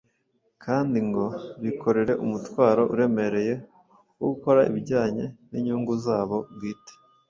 kandi ngo bikorere umutwaro uremereye wo gukora ibijyanye n’inyungu zabo bwite.